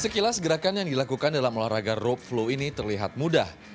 sekilas gerakan yang dilakukan dalam olahraga rope flow ini terlihat mudah